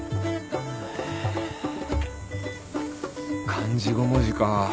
漢字５文字か。